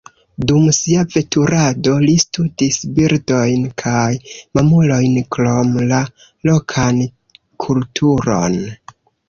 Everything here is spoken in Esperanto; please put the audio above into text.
Dum sia veturado li studis birdojn kaj mamulojn krom la lokan kulturon.